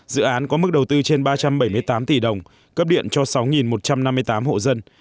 dự án có mức đầu tư trên ba trăm bảy mươi tám tỷ đồng cấp điện cho sáu một trăm năm mươi tám hộ dân